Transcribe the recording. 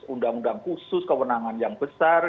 undang undang khusus kewenangan yang besar